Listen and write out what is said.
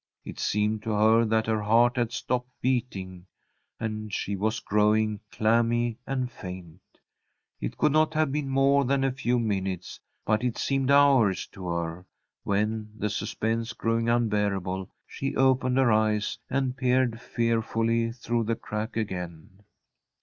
It seemed to her that her heart had stopped beating, and she was growing clammy and faint. It could not have been more than a few minutes, but it seemed hours to her, when, the suspense growing unbearable, she opened her eyes, and peered fearfully through the crack again.